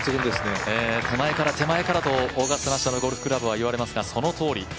手前から、手前からとオーガスタ・ナショナル・ゴルフクラブはいわれますがそのとおり。